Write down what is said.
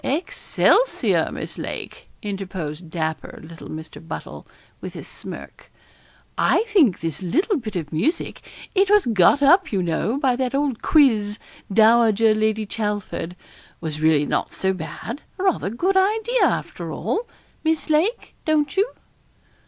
'Excelsior, Miss Lake,' interposed dapper little Mr. Buttle, with a smirk; 'I think this little bit of music it was got up, you know, by that old quiz, Dowager Lady Chelford was really not so bad a rather good idea, after all, Miss Lake. Don't you?'